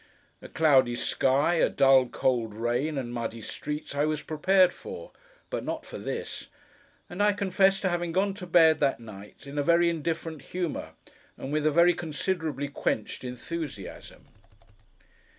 A cloudy sky, a dull cold rain, and muddy streets, I was prepared for, but not for this: and I confess to having gone to bed, that night, in a very indifferent humour, and with a very considerably quenched enthusiasm.